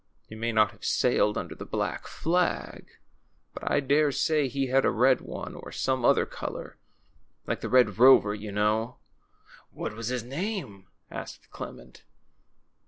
He may not have sailed under the black flag; but I dare say lie had a red one, or some other color — like the Red Rover, you know." ^AVhat was his name?" asked Clement.